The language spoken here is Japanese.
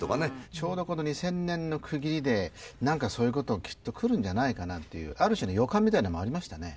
ちょうどこの２０００年の区切りでなんかそういう事きっとくるんじゃないかなというある種の予感みたいなものはありましたね。